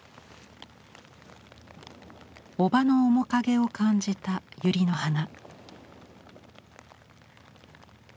おばの面影を感じたユリの花。